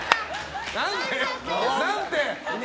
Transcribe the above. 何て？